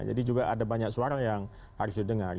jadi juga ada banyak suara yang harus didengar